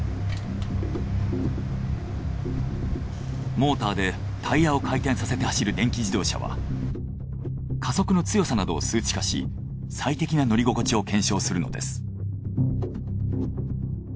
モーターでタイヤを回転させて走る電気自動車は加速の強さなどを数値化し最適な乗り心地を検証するのです。